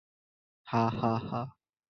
হা হা হা!